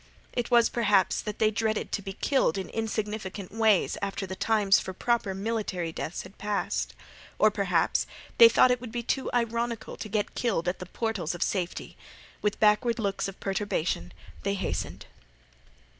It was perhaps that they dreaded to be killed in insignificant ways after the times for proper military deaths had passed. Or, perhaps, they thought it would be too ironical to get killed at the portals of safety. With backward looks of perturbation, they hastened.